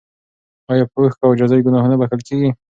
ایا په اوښکو او عاجزۍ ګناهونه بخښل کیږي؟